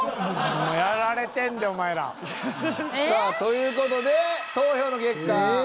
やられてんでお前ら。さあという事で投票の結果